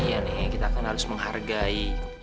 iya nih kita kan harus menghargai